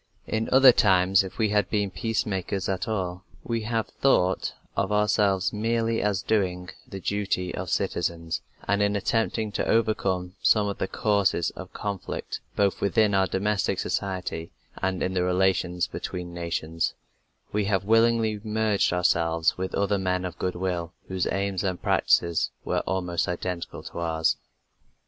In other times, if we have been peace makers at all, we have thought of ourselves merely as doing the duty of citizens, and, in attempting to overcome some of the causes of conflict both within our domestic society and in the relations between nations, we have willingly merged ourselves with other men of goodwill whose aims and practices were almost identical to ours.